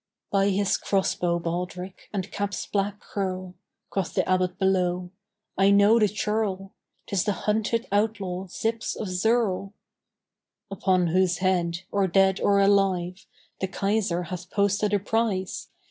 "By his cross bow, baldric, and cap's black curl," Quoth the Abbot below, "I know the churl! 'Tis the hunted outlaw Zyps of Zirl. "Upon whose head, or dead or alive, The Kaiser hath posted a price.